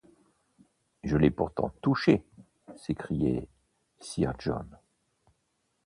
Je l’ai pourtant touché! s’écriait sir John.